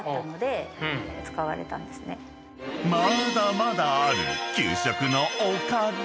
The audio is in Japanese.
［まだまだある給食のおかげ］